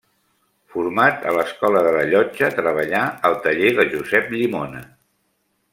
Format a l'Escola de la Llotja, treballà al taller de Josep Llimona.